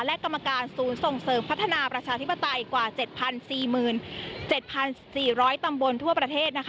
และกรรมการศูนย์ส่งเสริมพัฒนาประชาธิปไตยกว่า๗๔๗๔๐๐ตำบลทั่วประเทศนะคะ